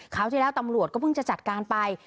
ที่แล้วตำรวจก็เพิ่งจะจัดการไป